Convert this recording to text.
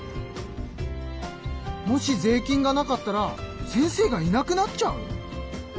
もし税金がなかったら先生がいなくなっちゃう！？